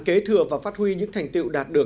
kế thừa và phát huy những thành tiệu